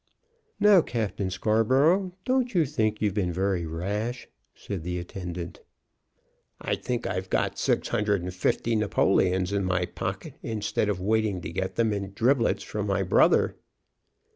"Now, Captain Scarborough, don't you think you've been very rash?" said the attendant. "I think I've got six hundred and fifty napoleons in my pocket, instead of waiting to get them in driblets from my brother."